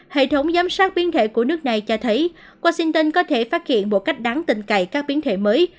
hệ thống giám sát biến thể của nước này cho thấy washington có thể phát hiện một cách đáng tình cậy các biến thể mới